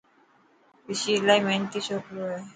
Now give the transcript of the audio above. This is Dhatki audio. رشي الاهي ميهنتي ڇوڪرو هي.